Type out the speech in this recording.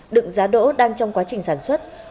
đựng giá đỗ đang trong quá trình sản xuất